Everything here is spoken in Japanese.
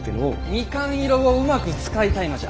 蜜柑色をうまく使いたいのじゃ！